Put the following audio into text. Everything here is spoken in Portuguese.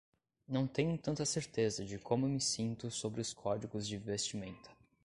Não tenho tanta certeza de como me sinto sobre os códigos de vestimenta.